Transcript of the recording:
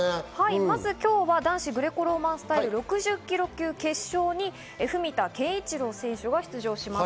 まず今日は男子グレコローマンスタイル６０ｋｇ級の決勝に文田健一郎選手が登場します。